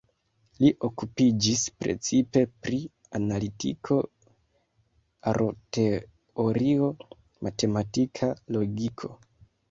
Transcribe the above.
Li okupiĝis precipe pri analitiko, aroteorio, matematika logiko.